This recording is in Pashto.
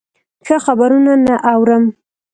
ښه خبرونه نه اورم.